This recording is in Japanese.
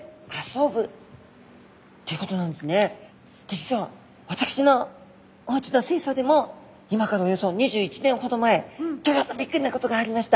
実は私のおうちの水槽でも今からおよそ２１年ほど前ギョギョッとビックリなことがありました。